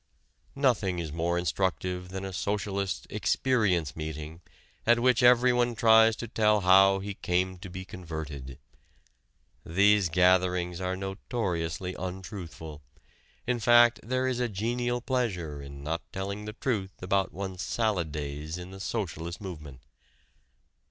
Nothing is more instructive than a socialist "experience" meeting at which everyone tries to tell how he came to be converted. These gatherings are notoriously untruthful in fact, there is a genial pleasure in not telling the truth about one's salad days in the socialist movement.